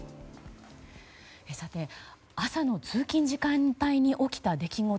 さて、朝の通勤時間帯に起きた出来事。